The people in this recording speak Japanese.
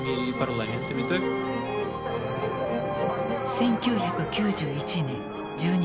１９９１年１２月。